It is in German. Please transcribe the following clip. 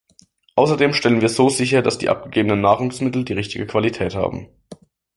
Außerdem stellen wir so sicher, dass die abgegebenen Nahrungsmittel die richtige Qualität haben.